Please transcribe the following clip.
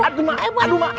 aduh ma aduh ma